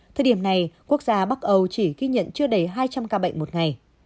thời điểm này quốc gia bắc âu chỉ ghi nhận chưa đầy hai trăm linh ca bệnh một ngày